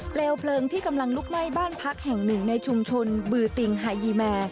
เพลิงที่กำลังลุกไหม้บ้านพักแห่งหนึ่งในชุมชนบือติงไฮยีแมร์